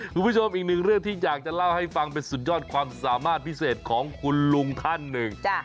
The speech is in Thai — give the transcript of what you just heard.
คุณผู้ชมอีกหนึ่งเรื่องที่อยากจะเล่าให้ฟังเป็นสุดยอดความสามารถพิเศษของคุณลุงท่านหนึ่ง